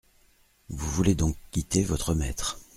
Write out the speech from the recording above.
Vous voulez donc quitter votre maître…